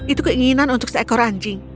itu keinginan untuk seekor anjing